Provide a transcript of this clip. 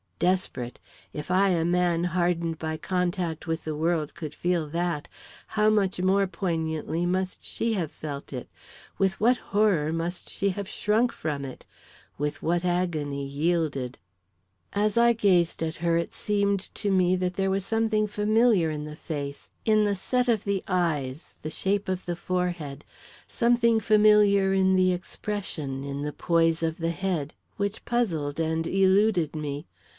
Desperate! If I, a man hardened by contact with the world, could feel that, how much more poignantly must she have felt it with what horror must she have shrunk from it with what agony yielded! As I gazed at her, it seemed to me that there was something familiar in the face in the set of the eyes, the shape of the forehead something familiar in the expression, in the poise of the head, which puzzled and eluded me.